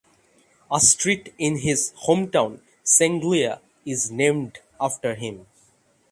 A street in his hometown Senglea is named after him.